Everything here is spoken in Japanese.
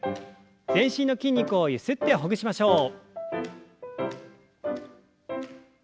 全身の筋肉をゆすってほぐしましょう。